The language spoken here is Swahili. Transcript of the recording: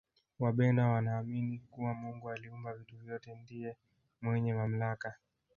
wabena wanaamini kuwa mungu aliumba vitu vyote ndiye mwenye mamlaka